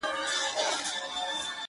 راكيټونو دي پر ما باندي را اوري.